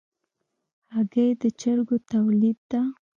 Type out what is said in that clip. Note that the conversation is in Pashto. هګۍ د چرګو تولید ده.